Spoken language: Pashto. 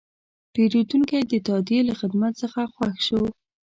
پیرودونکی د تادیې له خدمت څخه خوښ شو.